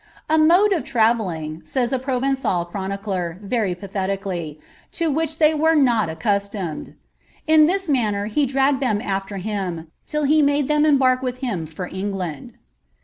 " A mode of travelling," tei^al chronicler, very pathetically, "to which they were not ''* la this manner he dragged them afWr him, till he made k with him for England.'